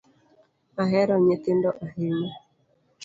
Ahero nyithindo ahinya.